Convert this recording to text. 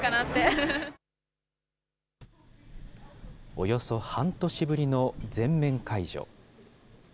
およそ半年ぶりの全面解除。